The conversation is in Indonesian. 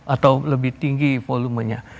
atau lebih tinggi volumenya